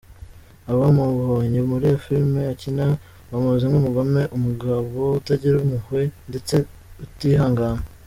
Abamubonye muri film akina, bamuzi nk’umugome, umugabo utagira impuhwe ndetse utihangana.